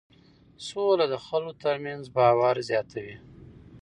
سوله د خلکو ترمنځ باور زیاتوي.